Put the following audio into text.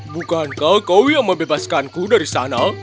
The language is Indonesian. bukankah kau yang membebaskanku dari sana